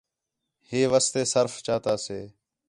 ہے واسطے سرف چاتا سے